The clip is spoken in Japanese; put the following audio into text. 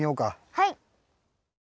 はい。